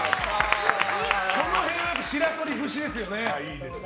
この辺は白鳥節ですよね。